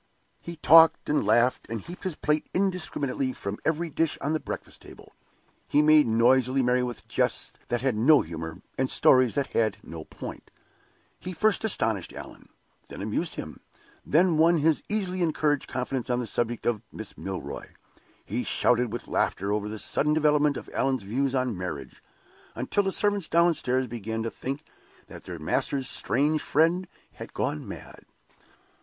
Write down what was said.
He talked and laughed, and heaped his plate indiscriminately from every dish on the breakfast table. He made noisily merry with jests that had no humor, and stories that had no point. He first astonished Allan, then amused him, then won his easily encouraged confidence on the subject of Miss Milroy. He shouted with laughter over the sudden development of Allan's views on marriage, until the servants downstairs began to think that their master's strange friend had gone mad.